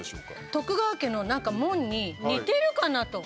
徳川家の、なんか紋に似ているかなと。